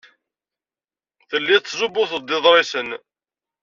Tellid tettzubuted-d iḍrisen.